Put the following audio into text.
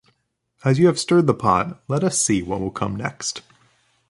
As you have stirred the pot, let us see what will come next.